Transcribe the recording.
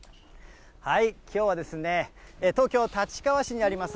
きょうはですね、東京・立川市にあります